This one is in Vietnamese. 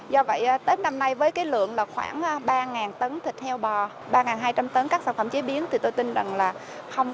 do vậy tết năm nay với cái lượng là khoảng ba tấn thịt heo bò ba hai trăm linh tấn các sản phẩm chế biến thì tôi tin rằng là không